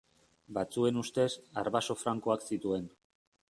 Batzuen ustez, arbaso frankoak zituen.